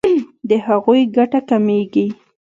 د هغوی ګټه کمیږي.